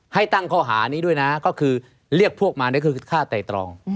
ให้ตั้งข้อหานี้ด้วยนะก็คือเรียกพวกมานี่คือฆ่าไตรตรอง